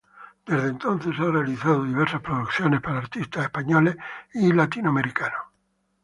Desde entonces ha realizado diversas producciones para artistas españoles y latinoamericanos.